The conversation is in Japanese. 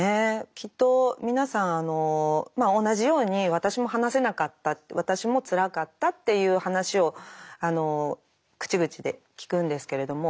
きっと皆さん同じように私も話せなかった私もつらかったっていう話を口々で聞くんですけれども。